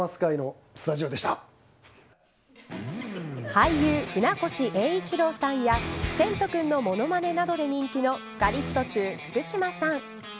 俳優、船越英一郎さんやせんとくんの物まねなどで人気のガリットチュウ、福島さん。